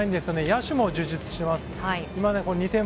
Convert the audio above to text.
野手も充実しています。